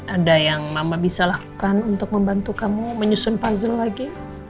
ada yang mama bisa lakukan untuk membantu kamu menyusun puzzle lagi